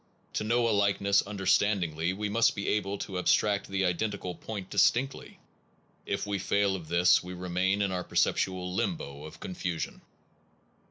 To know a likeness understandingly we must be able to abstract the identical point distinctly. If we fail of this, we remain in our perceptual limbo of confusion.